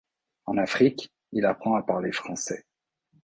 En Afrique, il apprend à parler français.